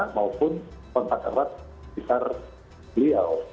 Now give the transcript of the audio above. maupun kontak erat di sekitar beliau